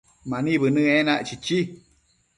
Mani bënë enac, chichi